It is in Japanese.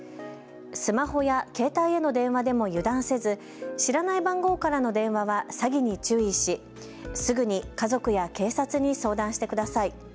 スマホや携帯への電話でも油断せず知らない番号からの電話は詐欺に注意し、すぐに家族や警察に相談してください。